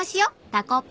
たこパ」